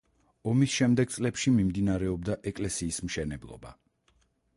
ომის შემდეგ წლებში მიმდინარეობდა ეკლესიის მშენებლობა.